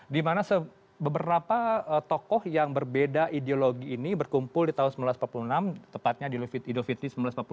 dimana beberapa tokoh yang berbeda ideologi ini berkumpul di tahun seribu sembilan ratus empat puluh enam tepatnya di lufit idul fitri seribu sembilan ratus empat puluh lima